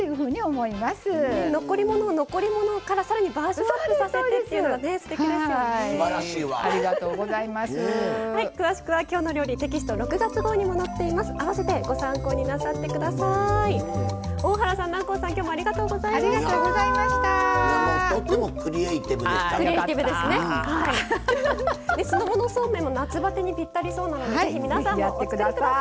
酢の物そうめんも夏バテにぴったりそうなのでぜひ皆さんもお作り下さい。